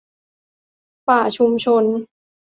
ป่าชุมชน